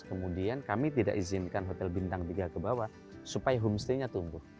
kemudian kami tidak izinkan hotel bintang tiga ke bawah supaya homestay nya tumbuh